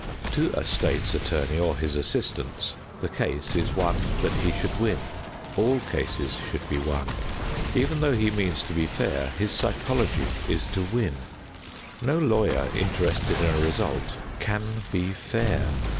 To a State's Attorney or his assistants the case is one that he should win. All cases should be won. Even though he means to be fair, his psychology is to win. No lawyer interested in a result can be fair.